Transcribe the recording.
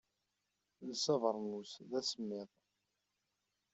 Els abernus, d asemmiḍ.